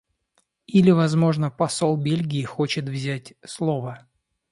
Или, возможно, посол Бельгии хочет взять слово?